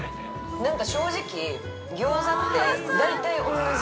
◆なんか正直、餃子って大体同じ。